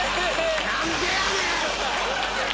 何でやねん！